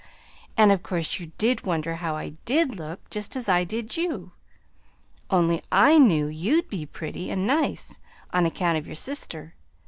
And of course you did wonder how I DID look, just as I did you. Only I KNEW you'd be pretty and nice, on account of your sister.